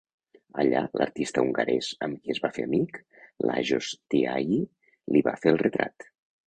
Allà, l'artista hongarès amb qui es va fer amic, Lajos Tihayi, li va fer el retrat.